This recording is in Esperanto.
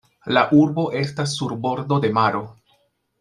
La urbo estas sur bordo de maro.